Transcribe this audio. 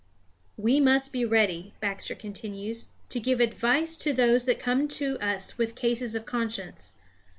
"We must be ready," Baxter continues, "to give advice to those that come to us with cases of conscience.